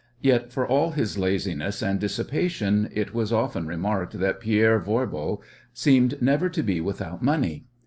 Yet for all his laziness and dissipation it was often remarked that Pierre Voirbo seemed never to be without money.